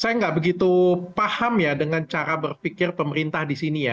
saya nggak begitu paham ya dengan cara berpikir pemerintah di sini ya